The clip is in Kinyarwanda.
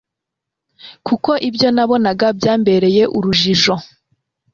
kuko ibyo nabonaga byambereye urujijo